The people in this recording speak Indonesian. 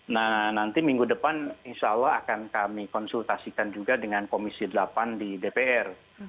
nah nanti minggu depan insya allah akan kami konsultasikan juga dengan komisi delapan di dpr